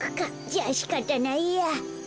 じゃあしかたないや。